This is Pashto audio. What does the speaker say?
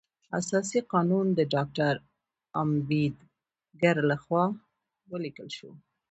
اساسي قانون د ډاکټر امبیډکر لخوا ولیکل شو.